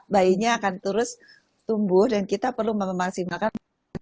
bayinya akan terus tumbuh dan kita perlu memaksimalkan